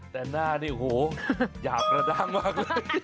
แต่หน้านี่โอ้โฮหยาบระดังมากเลย